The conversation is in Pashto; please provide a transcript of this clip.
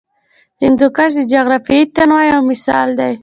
هندوکش د جغرافیوي تنوع یو مثال دی.